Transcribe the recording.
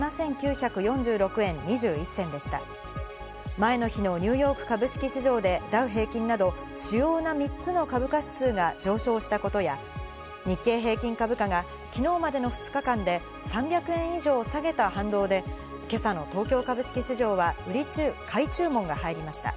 前の日のニューヨーク株式市場で、ダウ平均など主要な３つの株価指数が上昇したことや、日経平均株価が昨日までの２日間で３００円以上下げた反動で、今朝の東京株式市場は買い注文が入りました。